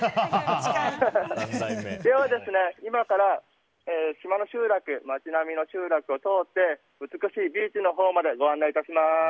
今から島の集落街並みの集落を通って美しいビーチのほうまでご案内します。